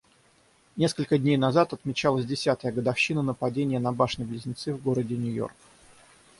Несколько дней назад отмечалась десятая годовщина нападения на башни-близнецы в городе Нью-Йорк.